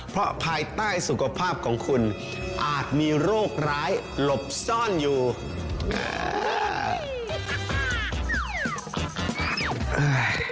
เพราะภายใต้สุขภาพของคุณอาจมีโรคร้ายหลบซ่อนอยู่อ่า